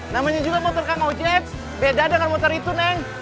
namanya juga motor kang ojek beda dengan motor itu neng